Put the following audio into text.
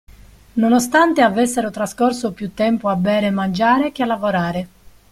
Nonostante avessero trascorso più tempo a bere e mangiare che a lavorare.